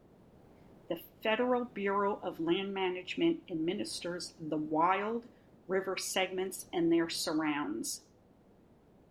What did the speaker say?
The federal Bureau of Land Management administers the "wild" river segments and their surrounds.